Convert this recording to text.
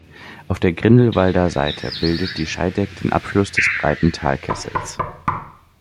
Auf der Grindelwalder Seite bildet die Scheidegg den Abschluss des breiten Talkessels.